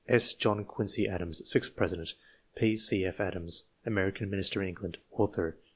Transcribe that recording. S. John Quincey Adams, sixth President. P, C. F. Adams, American Minister in England ; author.